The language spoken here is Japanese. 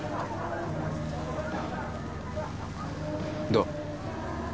どう？